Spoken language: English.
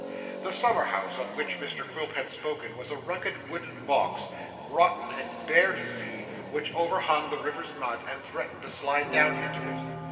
The summer house of which Mr Quilp had spoken was a rugged wooden box, rotten and bare to see, which overhung the river's mud, and threatened to slide down into it.